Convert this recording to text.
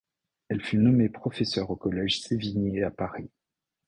Elle fut nommée professeure au Collège Sévigné à Paris.